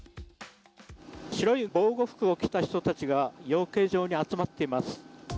白い防護服を着た人たちが養鶏場に集まっています。